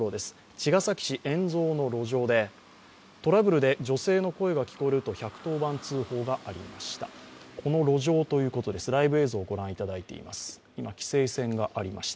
茅ヶ崎市円蔵の路上でトラブルで女性の声が聞こえると１１０番通報がありました。